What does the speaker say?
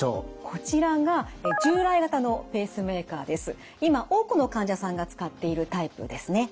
こちらが今多くの患者さんが使っているタイプですね。